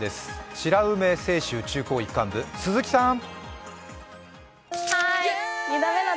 白梅清修中高一貫部、鈴木さん。